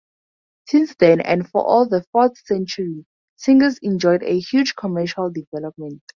Since then and for all the fourth century, Tingis enjoyed a huge commercial development.